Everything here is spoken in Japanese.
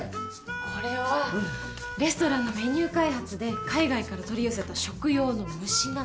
これはレストランのメニュー開発で海外から取り寄せた食用の虫なの。